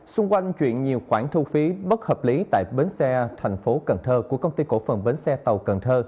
xung quanh chuyện nhiều khoản thu phí bất hợp lý tại bến xe thành phố cần thơ của công ty cổ phần bến xe tàu cần thơ